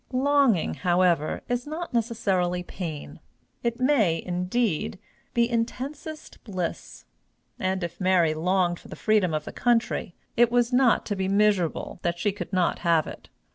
Longing, however, is not necessarily pain it may, indeed, be intensest bliss; and, if Mary longed for the freedom of the country, it was not to be miserable that she could not have it.